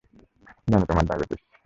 জানি, তোমার ডায়বেটিস।